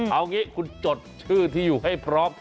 เอางี้คุณจดชื่อที่อยู่ให้พร้อม